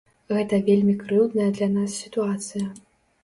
Гэта вельмі крыўдная для нас сітуацыя.